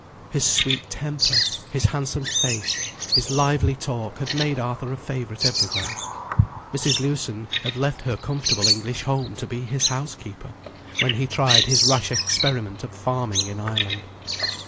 His sweet temper, his handsome face, his lively talk had made Arthur a favourite everywhere. Mrs. Lewson had left her comfortable English home to be his housekeeper, when he tried his rash experiment of farming in Ireland.